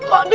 pak d ya